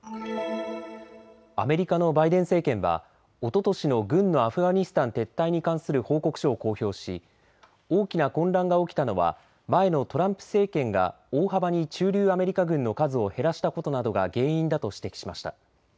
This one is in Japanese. アメリカのバイデン政権はおととしの軍のアフガニスタン撤退に関する報告書を公表し大きな混乱が起きたのは前のトランプ政権が大幅に駐留アメリカ軍の数を減らしたことなどが原因だと指摘しました。